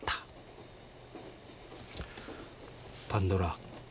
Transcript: パンドラ。